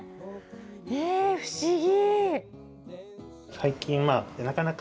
え、不思議。